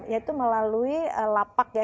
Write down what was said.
yaitu melalui lapak ya